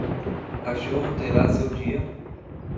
Cachorro terá seu dia